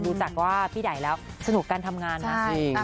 ดูจักว่าพี่ได่แล้วสนุกกันทำงานนะ